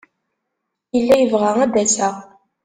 Yella yebɣa ad d-aseɣ.